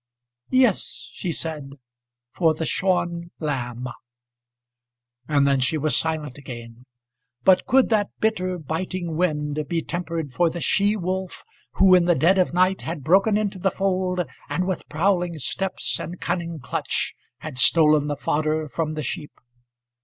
"Yes," she said, "for the shorn lamb " And then she was silent again. But could that bitter, biting wind be tempered for the she wolf who, in the dead of night, had broken into the fold, and with prowling steps and cunning clutch had stolen the fodder from the sheep?